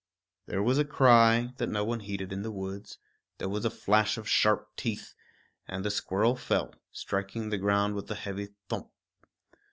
There was a cry, that no one heeded in the woods; there was a flash of sharp teeth, and the squirrel fell, striking the ground with a heavy thump.